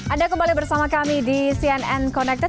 anda kembali bersama kami di cnn connected